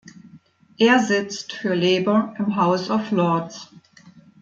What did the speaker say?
Er sitzt für Labour im House of Lords.